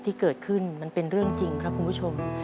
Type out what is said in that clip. ที่เกิดขึ้นมันเป็นเรื่องจริงครับคุณผู้ชม